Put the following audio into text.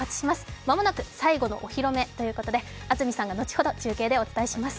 間もなく最後のお披露目ということで安住さんが後ほど中継でお伝えします。